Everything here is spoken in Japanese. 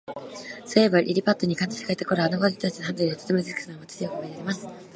そういえば、リリパットに私がいた頃、あの小人たちの肌の色は、とても美しかったのを、私はよくおぼえています。